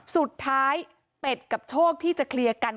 สุดท้ายเป็ดกับโชคที่จะเคลียร์กัน